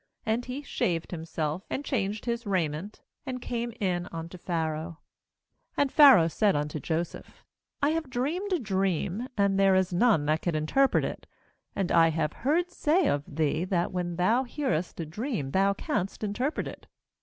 And he shaved himself, and changed his raiment, and came in unto Pharaoh. 15And Pharaoh said unto Joseph: 'I have dreamed a dream, and there is none that can interpret it; and I have heard say of thee, that when thou nearest a dream thou canst interpret it.'